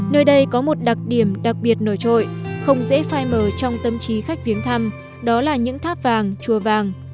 nơi đây có một đặc điểm đặc biệt nổi trội không dễ phai mờ trong tâm trí khách viếng thăm đó là những tháp vàng chùa vàng